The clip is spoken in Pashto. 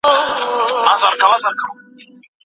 خندا بېلابېل ډولونه لري.